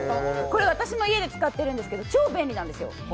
私も家で使ってるんですけど、超便利なんですよ。